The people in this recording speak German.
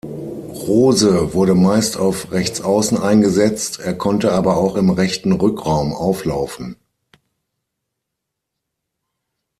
Rose wurde meist auf Rechtsaußen eingesetzt, er konnte aber auch im rechten Rückraum auflaufen.